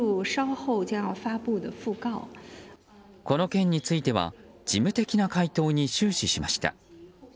この件については事務的な回答に終始しました。